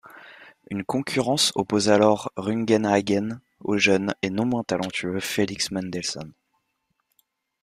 Une concurrence oppose alors Rungenhagen au jeune et non moins talentueux Felix Mendelssohn.